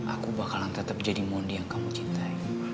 aku bakalan tetap jadi mondi yang kamu cintai